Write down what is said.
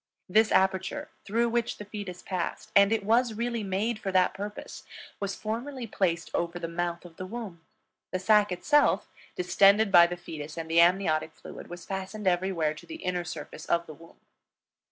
This aperture through which the fetus passed, and it was really made for that purpose, was formerly placed over the mouth of the womb; the sac itself, distended by the fetus and the amniotic fluid, was fastened everywhere to the inner surface of the womb.